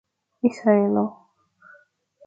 israelo